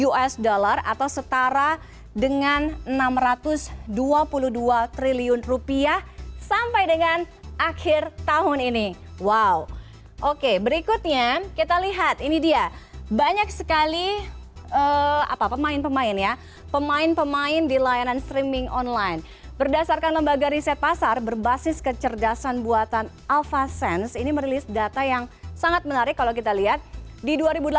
us dollar atau setara dengan enam ratus dua puluh dua triliun rupiah sampai dengan akhir tahun ini wow oke berikutnya kita lihat ini dia banyak sekali pemain pemain ya pemain pemain di layanan streaming online berdasarkan lembaga riset pasar berbasis kecerdasan buatan alphasense ini merilis data yang sangat menarik kalau kita lihat di dua ribu delapan belas